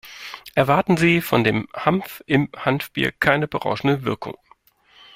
Erwarten Sie von dem Hanf im Hanfbier keine berauschende Wirkung.